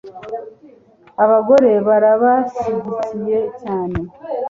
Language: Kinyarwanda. Abagore barabashyigikiye cyane